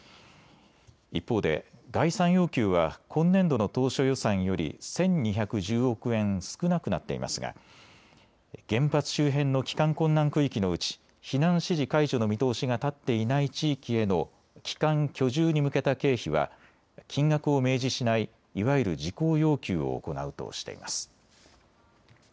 一方で概算要求は今年度の当初予算より１２１０億円少なくなっていますが原発周辺の帰還困難区域のうち避難指示解除の見通しが立っていない地域への帰還・居住に向けた経費は金額を明示しないいわゆる事項要求を行うことにしています。